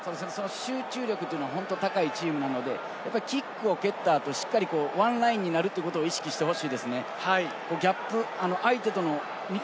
集中力は本当に高いチームなので、キックを蹴ったあと、しっかりワンラインになることを意識してほしいですね。